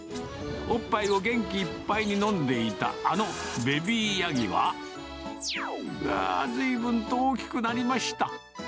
おっぱいを元気いっぱいに飲んでいたあのベビーヤギは、うわぁ、ずいぶんと大きくなりました。